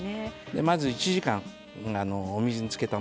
まず１時間お水につけたもんですね。